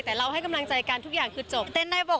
แต่เราให้กำลังใจกันทุกอย่างคือจบ